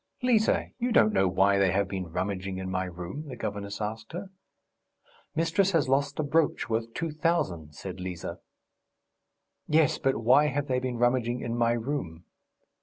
"Liza, you don't know why they have been rummaging in my room?" the governess asked her. "Mistress has lost a brooch worth two thousand," said Liza. "Yes, but why have they been rummaging in my room?"